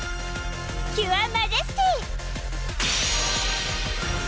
キュアマジェスティ！